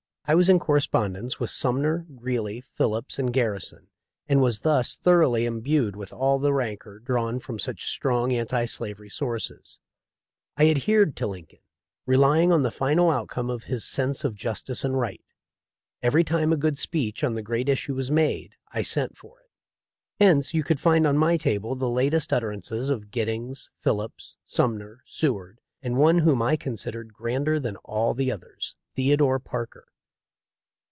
I was in corre spondence with Sumner, Greely, Phillips, and Garri son, and was thus thoroughly imbued with all the rancor drawn from such strong anti slavery sources. I adhered to Lincoln, relying on the final outcome of his sense of justice and right. Every time a good speech on the great issue was made I sent for it. Hence you could find on my table the latest utter ances of Giddings, Phillips, Sumner, Seward, and one whom I considered grander than all the others — Theodore Parker.